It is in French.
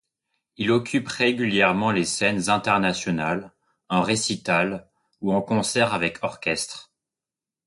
Il occupe régulièrement les scènes internationales, en récitals ou en concerts avec orchestre.